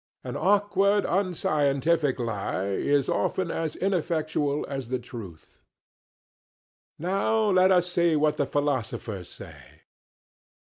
An awkward, unscientific lie is often as ineffectual as the truth. Now let us see what the philosophers say.